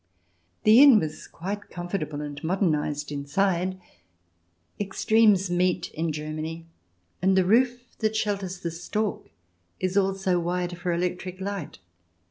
The inn was quite comfortable and modernized inside. Extremes meet in Germany, and the roof that shelters the stork is also wired for electric light.